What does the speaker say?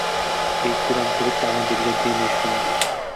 এই কুরআন শরিফটা আমার দীর্ঘ দিনের সঙ্গী।